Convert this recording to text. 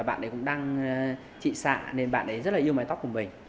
bạn ấy cũng đang trị xạ nên bạn ấy rất là yêu mái tóc của mình